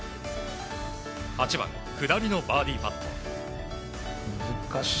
８番、下りのバーディーパット。